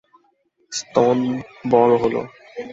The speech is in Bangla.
স্তন বড় হলো।